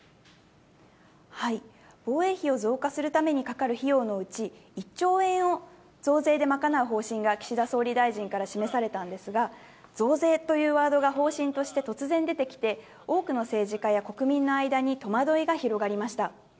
防衛費を増加するためにかかる費用のうち、１兆円を増税で賄う方針が岸田総理大臣から示されたんですが、増税というワードが方針として突然出てきて、多くの政治家や国民の間に戸惑いが広がりました。